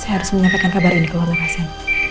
saya harus menyampaikan kabar ini ke warga rasen